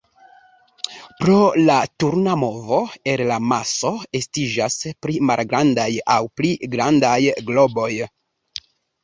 Pro la turna movo, el la maso estiĝas pli malgrandaj aŭ pli grandaj globoj.